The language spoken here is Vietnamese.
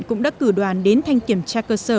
cũng đã cử đoàn đến thanh kiểm tra cơ sở